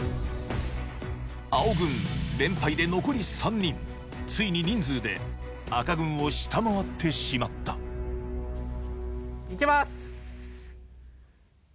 青軍連敗で残り３人ついに人数で赤軍を下回ってしまった行きます。